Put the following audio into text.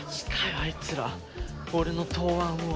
あいつら俺の答案を。